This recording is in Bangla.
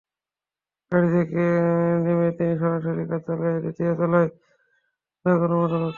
গাড়ি থেকে নেমে তিনি সরাসরি কার্যালয়ের দ্বিতীয় তলায় তদন্ত কর্মকর্তার কক্ষে ঢোকেন।